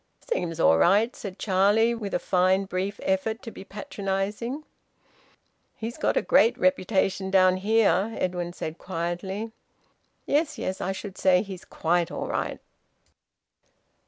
"Seems all right," said Charlie, with a fine brief effort to be patronising. "He's got a great reputation down here," Edwin said quietly. "Yes, yes. I should say he's quite all right."